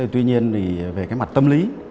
tuy nhiên thì về cái mặt tâm lý